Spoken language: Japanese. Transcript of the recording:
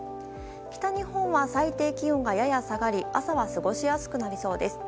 北日本は最低気温がやや下がり、朝は過ごしやすくなりそうです。